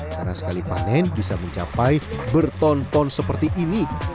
karena sekali panen bisa mencapai berton ton seperti ini